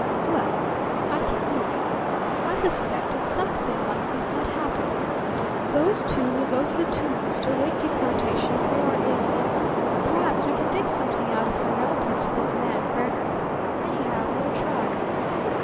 "Well, I keep moving. I suspected something like this might happen. Those two will go to the Tombs to await deportation if they are aliens. Perhaps we can dig something out of them relative to this man Gregor. Anyhow, we'll try."